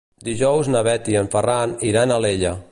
Dijous na Bet i en Ferran iran a Alella.